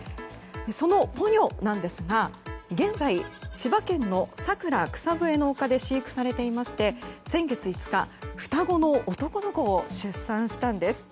そのポニョなんですが現在、千葉県の佐倉草ぶえの丘で飼育されていまして先月５日、双子の男の子を出産したんです。